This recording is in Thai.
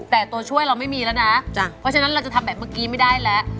เพราะฉะนั้นเราจะทำแบบเมื่อกี้ไม่ได้แล้ว